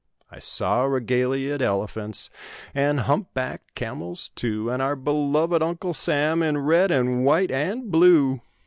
I saw regaliaed elephants And hump backed camels, too; And our beloved Uncle Sam In red and white and blue.